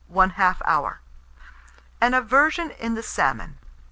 1/2 hour. AN AVERSION IN THE SALMON.